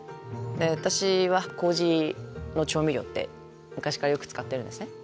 私はこうじの調味料って昔からよく使ってるんですね。